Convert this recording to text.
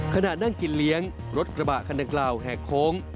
ขณะนั่งกินเลี้ยงรถกระบะคันดังกล่าวแหกโค้ง